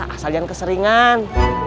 asal jangan keseringan